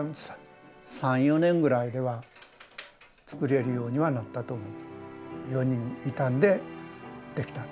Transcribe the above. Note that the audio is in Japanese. ３４年ぐらいではつくれるようにはなったと思います。